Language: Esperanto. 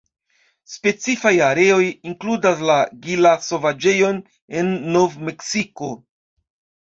Specifaj areoj inkludas la Gila-Sovaĝejon en Nov-Meksiko.